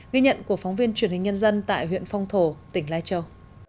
ghi nhận của phóng viên truyền hình nhân dân tại huyện phong thổ tỉnh lai châu